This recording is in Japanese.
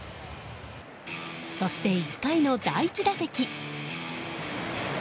そして、１回の第１打席。